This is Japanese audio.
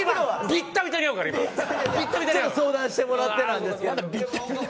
ビッタビタに合う。相談してもらってなんですけど。